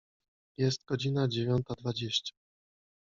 Jest godzina dziewiąta dwadzieścia.